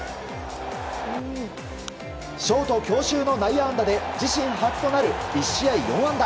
ショート強襲の内野安打で自身初となる１試合４安打。